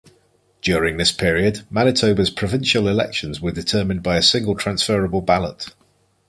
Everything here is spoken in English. During this period, Manitoba's provincial elections were determined by a single transferable ballot.